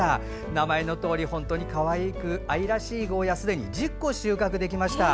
名前のとおり本当にかわいく愛らしいゴーヤがすでに１０個収穫できました。